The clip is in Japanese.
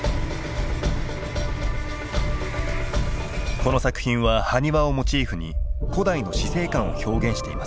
この作品は埴輪をモチーフに古代の死生観を表現しています。